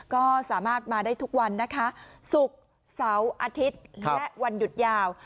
ก็สามารถมาได้ทุกวันนะคะศุกร์เสาร์อาทิตย์และวันหยุดยาว